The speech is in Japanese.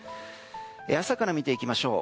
朝から見ていきましょう。